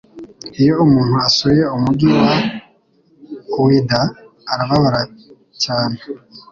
iyo umuntu asuye umugi wa Ouidah arababara cyane